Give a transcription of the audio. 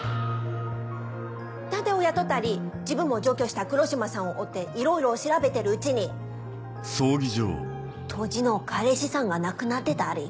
探偵を雇ったり自分も上京した黒島さんを追っていろいろ調べてるうちに当時の彼氏さんが亡くなってたり。